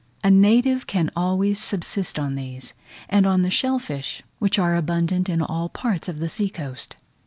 A native can always subsist on these, and on the shell fish, which are abundant on all parts of the sea coast.